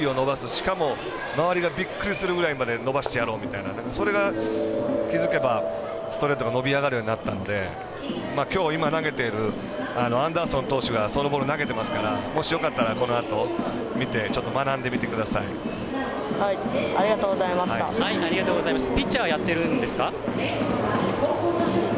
しかも、周りがびっくりするぐらいまで伸ばしてやろうみたいなそれが気付けば、ストレートが伸び上がるようになったのできょう、今、投げているアンダーソン投手がそのボール投げてますからもしよかったらこのあと、見てありがとうございました。